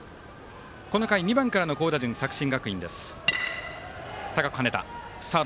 この回、２番からの好打順作新学院。